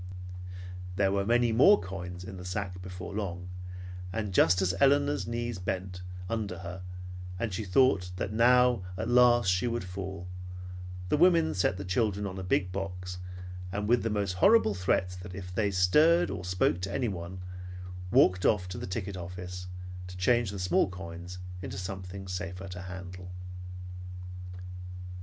There were many more coins in the sack before long, and just as Elinor's knees bent, under her, and she thought that now at last she would fall, the women set the children on a big box, and with the most horrible threats if they, stirred or spoke to anyone, walked off to the ticket office to change the small coins into something safer to handle.